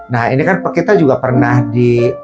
nah ini kan kita juga pernah di